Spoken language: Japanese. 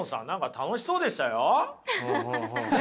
楽しそうでした？